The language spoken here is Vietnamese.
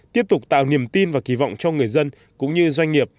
tiếp tục tạo niềm tin và kỳ vọng cho người dân cũng như doanh nghiệp